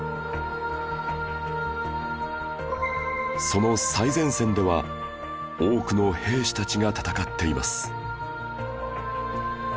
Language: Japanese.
その最前線では多くの兵士たちが戦っています